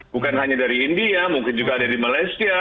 bukan hanya dari india mungkin juga ada di malaysia